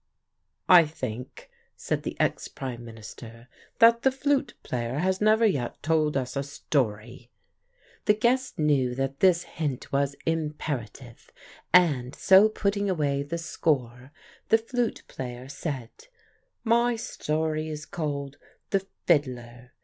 "I think," said the ex Prime Minister, "that the flute player has never yet told us a story." The guests knew that this hint was imperative, and so putting away the score, the flute player said: "My story is called, 'The Fiddler.